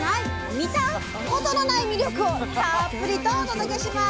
見タコとのない魅力をたっぷりとお届けします！